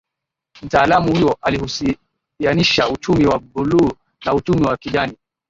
Mtaalamu huyo alihusianisha uchumi wa bluu na uchumi wa kijani